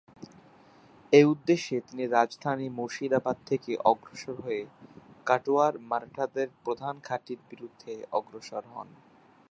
এ উদ্দেশ্যে তিনি রাজধানী মুর্শিদাবাদ থেকে অগ্রসর হয়ে কাটোয়ায় মারাঠাদের প্রধান ঘাঁটির বিরুদ্ধে অগ্রসর হন।